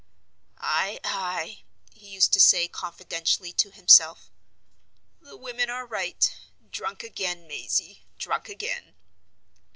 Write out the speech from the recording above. "Ay! ay!" he used to say confidentially to himself, "the women are right. Drunk again, Mazey—drunk again!"